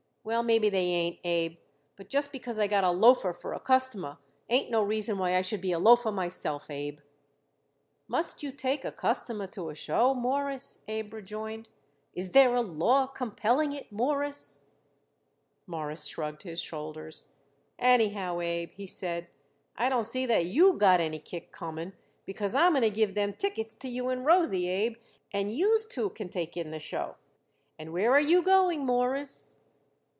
"Well, maybe they ain't, Abe. But just because I got a loafer for a customer ain't no reason why I should be a loafer myself, Abe." "Must you take a customer to a show, Mawruss?" Abe rejoined. "Is there a law compelling it, Mawruss?" Morris shrugged his shoulders. "Anyhow, Abe," he said, "I don't see that you got any kick coming, because I'm going to give them tickets to you and Rosie, Abe, and youse two can take in the show." "And where are you going, Mawruss?"